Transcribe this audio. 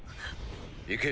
行け。